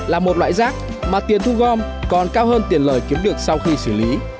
là một loại rác mà tiền thu gom còn cao hơn tiền lời kiếm được sau khi xử lý